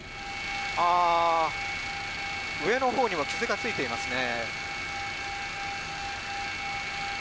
上のほうにも傷がついていますね。